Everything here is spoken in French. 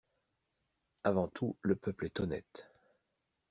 Avant tout, le peuple est honnête!